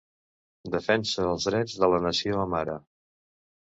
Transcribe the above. Defensa els drets de la nació amhara.